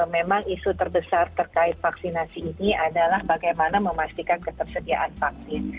memang isu terbesar terkait vaksinasi ini adalah bagaimana memastikan ketersediaan vaksin